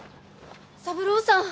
三郎さん。